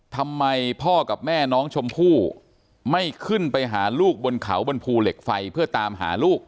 ทำไมพ่อกับแม่น้องชมพู่ไม่ขึ้นไปหาลูกบนเขาบนภูเหล็กไฟเพื่อตามหาลูก